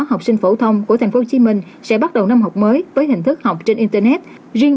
học sinh phổ thông của tp hcm sẽ bắt đầu năm học mới với hình thức học trên internet riêng